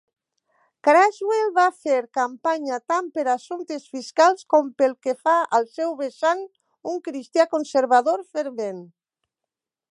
Craswell va fer campanya tant per assumptes fiscals, com pel que fa al seu vessant un cristià conservador fervent.